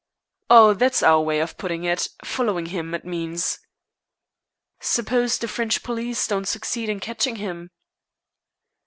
"Oh, that's our way of putting it. Following him, it means." "Suppose the French police don't succeed in catching him?"